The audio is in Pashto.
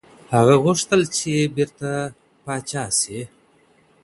هغه غوښتل چي بیرته پاچا شي.